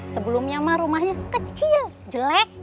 sebelumnya mah rumahnya kecil jelek